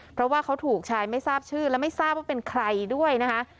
เพราะว่าเขาถูกชายไม่ทราบชื่อและไม่ทราบว่าเป็นใครด้วยนะคะ